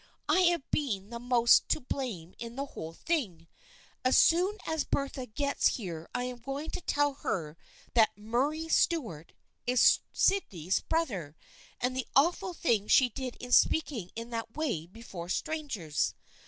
I have been the most to blame in the whole thing. As soon as Bertha gets here I am going to tell her that Murray Stuart is Sydney's brother, and the awful thing she did in speaking in that way before strangers.